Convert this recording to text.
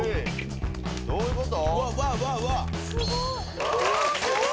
どういうこと？